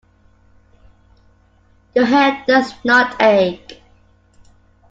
Your head does not ache.